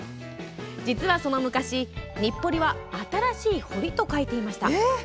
実はその昔「にっぽり」は新しい堀と書いていました。